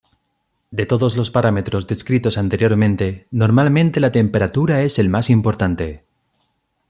De todos los parámetros descritos anteriormente, normalmente la temperatura es el más importante.